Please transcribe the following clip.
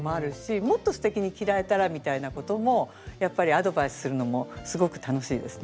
もっとすてきに着られたらみたいなこともやっぱりアドバイスするのもすごく楽しいですね。